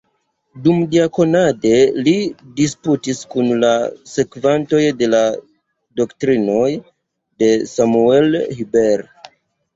Dumdiakonade li disputis kun la sekvantoj de la doktrinoj de Samuel Huber.